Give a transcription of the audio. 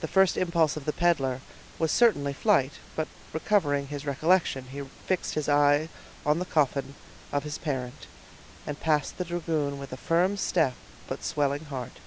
The first impulse of the peddler was certainly flight; but recovering his recollection, he fixed his eye on the coffin of his parent, and passed the dragoon with a firm step but swelling heart.